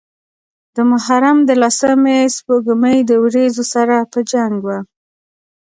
د محرم د لسمې سپوږمۍ د وريځو سره پۀ جنګ وه